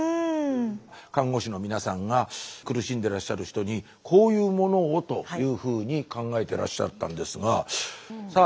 看護師の皆さんが苦しんでらっしゃる人にこういうものをというふうに考えてらっしゃったんですがさあ